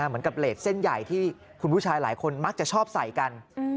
เหมือนกับเลสเส้นใหญ่ที่คุณผู้ชายหลายคนมักจะชอบใส่กัน